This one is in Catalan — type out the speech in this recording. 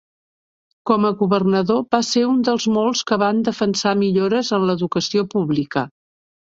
Com a governador va ser un dels molts que van defensar millores de l'educació pública.